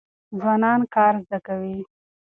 ځوانان کار زده کوي.